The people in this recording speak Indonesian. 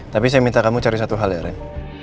tapi saya minta kamu cari satu hal ya rek